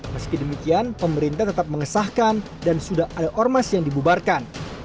meski demikian pemerintah tetap mengesahkan dan sudah ada ormas yang dibubarkan